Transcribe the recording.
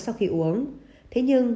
sau khi uống thế nhưng